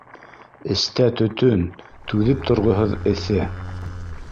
Эстә төтөн, түҙеп торғоһоҙ эҫе